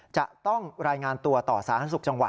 จะต้องรายงานตัวต่อสาธารณสุขจังหวัด